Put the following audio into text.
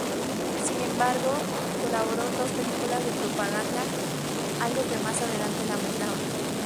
Sin embargo, colaboró en dos películas de propaganda, algo que más adelante lamentaba.